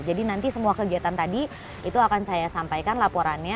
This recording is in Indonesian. jadi nanti semua kegiatan tadi itu akan saya sampaikan laporannya